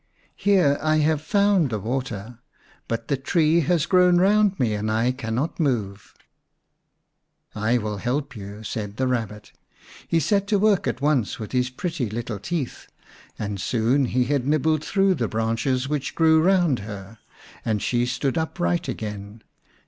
Here I have found the water, but the tree has grown round me and I cannot move." " I will help you," said the Kabbit. He set 64 vi The Unnatural Mother to work at once with his pretty little teeth, and soon he had nibbled through the branches which grew round her, and she stood upright again.